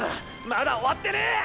まだ終わってねぇ！